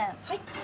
はい。